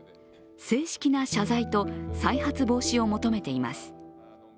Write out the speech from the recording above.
正式な謝罪と再発防止を求めています。